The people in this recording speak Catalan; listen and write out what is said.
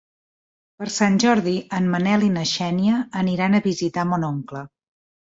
Per Sant Jordi en Manel i na Xènia aniran a visitar mon oncle.